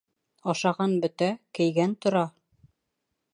Ашаған бөтә, кейгән тора.